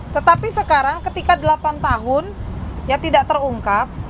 tetapi sekarang ketika delapan tahun ya tidak terungkap